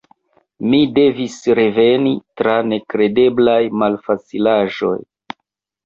Mi devis reveni, tra nekredeblaj malfacilaĵoj.